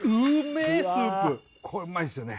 これうまいっすよね